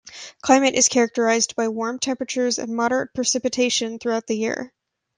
Climate is characterized by warm temperatures and moderate precipitation throughout the year.